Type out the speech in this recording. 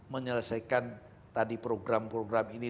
menyelesaikan tadi program program ini